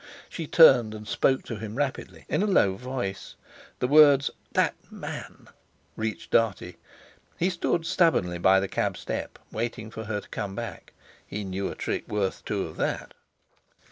She turned and spoke to him rapidly, in a low voice; the words "That man" reached Dartie. He stood stubbornly by the cab step, waiting for her to come back. He knew a trick worth two of that!